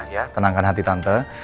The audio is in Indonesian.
ya tenangkan hati tante